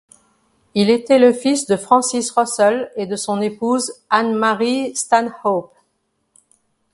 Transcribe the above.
Il était le fils de Francis Russell et de son épouse Anne-Marie Stanhope.